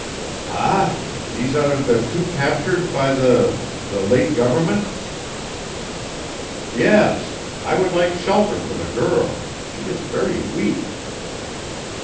"Ah! These are the two captured by the the late government?" "Yes. I would like shelter for the girl. She is very weak."